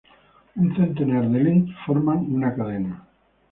Un centenar de links forman una cadena.